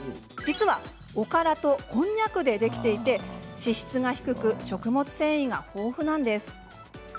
実は、おからとこんにゃくでできていて脂質が低く食物繊維が豊富なんです。